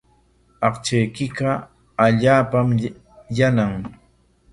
Aqchaykiqa allaapa yanam.